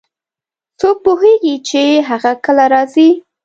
څوک پوهیږي چې هغه کله راځي